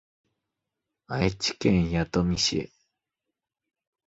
愛知県弥富市